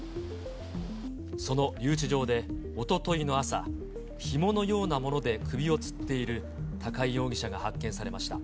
その留置場でおとといの朝、ひものようなもので首をつっている高井容疑者が発見されました。